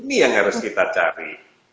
ini yang harus kita cari